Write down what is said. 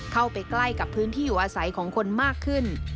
ใกล้กับพื้นที่อยู่อาศัยของคนมากขึ้น